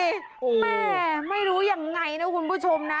แม่ไม่รู้ยังไงนะคุณผู้ชมนะ